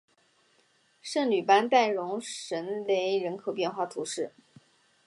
圣吕班代容什雷人口变化图示